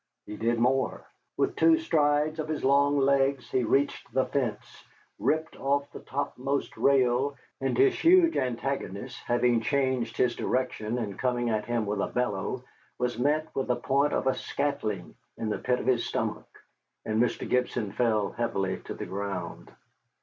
He did more. With two strides of his long legs he reached the fence, ripped off the topmost rail, and his huge antagonist, having changed his direction and coming at him with a bellow, was met with the point of a scantling in the pit of his stomach, and Mr. Gibson fell heavily to the ground.